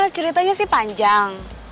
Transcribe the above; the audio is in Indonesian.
ceritanya sih panjang